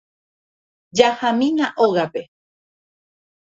Jahámína ógape.